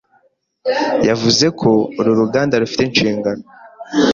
yavuze ko uru ruganda rufite inshingano